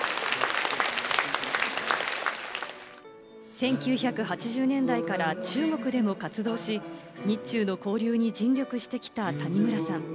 １９８０年代から中国でも活動し、日中の交流に尽力してきた谷村さん。